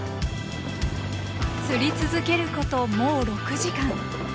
釣り続けることもう６時間。